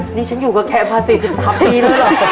นี่ฉันอยู่กับใครมา๔๓ปีแล้วเหรอ